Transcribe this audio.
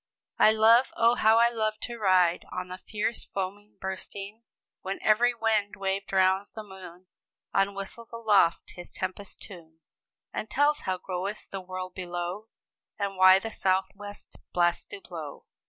] "I love, oh, how I love to ride, On the fierce, foaming, bursting When every mad wave drowns the moon, Or whistles aloft his tempest tune, And tells how goeth the world below, And why the sou'west blasts do blow!"